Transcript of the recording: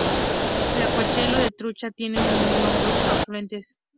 Riachuelo de trucha tiene ningún nombró afluentes.